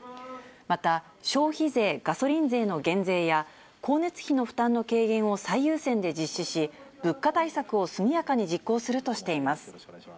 また、消費税・ガソリン税の減税や、光熱費の負担の軽減を最優先で実施し、物価対策を速やかに実行するとしています。